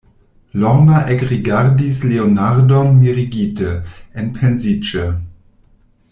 Lorna ekrigardis Leonardon mirigite, enpensiĝe.